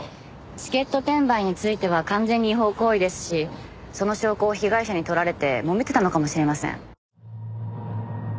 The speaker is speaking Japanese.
チケット転売については完全に違法行為ですしその証拠を被害者に撮られてもめてたのかもしれません。